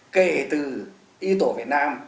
kể từ y tổ việt nam